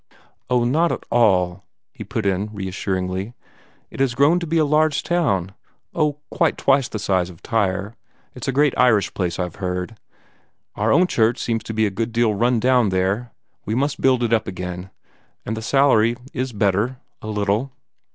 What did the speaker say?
"Oh, not at all," he put in reassuringly. "It has grown to be a large town oh, quite twice the size of Tyre. It's a great Irish place, I've heard. Our own church seems to be a good deal run down there. We must build it up again; and the salary is better a little."